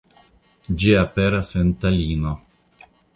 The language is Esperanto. Ĝi aperas en Talino.